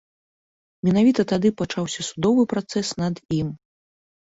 Менавіта тады пачаўся судовы працэс над ім.